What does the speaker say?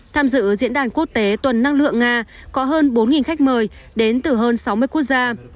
tham dự diễn đàn quốc tế tuần năng lượng nga có hơn bốn khách mời đến từ hơn sáu mươi quốc gia